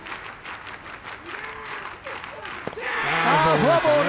フォアボール！